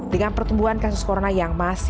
dengan pertumbuhan kasus corona yang masih